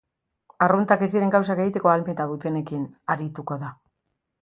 Arruntak ez diren gauzak egiteko ahalmena dutenekin arituko da.